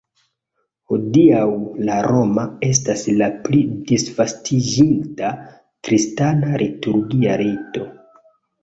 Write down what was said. Hodiaŭ la roma estas la pli disvastiĝinta kristana liturgia rito.